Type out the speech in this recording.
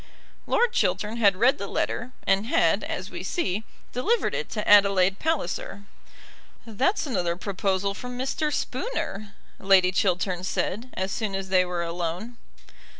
Lord Chiltern had read the letter, and had, as we see, delivered it to Adelaide Palliser. "That's another proposal from Mr. Spooner," Lady Chiltern said, as soon as they were alone.